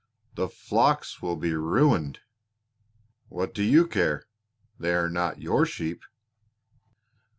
"The flocks will be ruined!" "What do you care they are not your sheep."